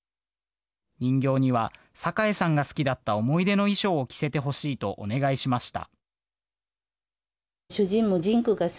人形には榮さんが好きだった思い出の衣装を着せてほしいとお願いしました